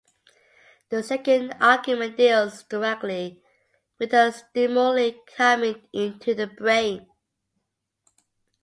A second argument deals directly with the stimuli coming into the brain.